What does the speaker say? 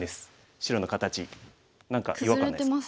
白の形何か違和感ないです？